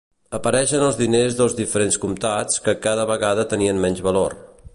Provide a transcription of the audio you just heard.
Apareixen els diners dels diferents comtats, que cada vegada tenien menys valor.